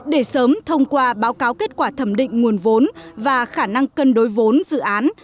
để sớm thông qua báo cáo kết quả thẩm định nguồn vốn và khả năng cân đối vốn dự án